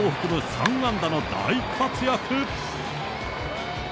３安打の大活躍。